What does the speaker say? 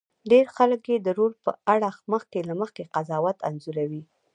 ډېر خلک یې د رول په اړه مخکې له مخکې قضاوت انځوروي.